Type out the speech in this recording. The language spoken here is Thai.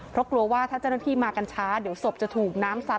เพราะกลัวว่าถ้าเจ้าหน้าที่มากันช้าเดี๋ยวศพจะถูกน้ำซัด